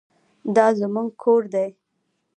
دا زموږ کور دی؟